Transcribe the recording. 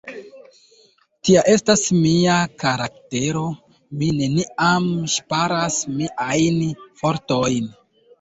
Tia estas mia karaktero, mi neniam ŝparas miajn fortojn!